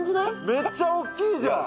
めっちゃ大きいじゃん！